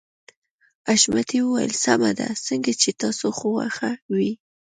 حشمتي وويل سمه ده څنګه چې ستاسو خوښه وي.